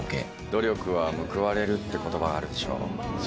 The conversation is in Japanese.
努力は報われるって言葉あるでしょ。